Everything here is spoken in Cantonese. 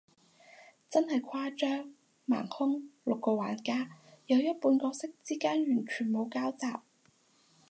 真係誇張，盲兇，六個玩家，有一半角色之間完全冇交集，